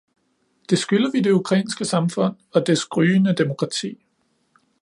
Det skylder vi det ukrainske samfund og dets gryende demokrati.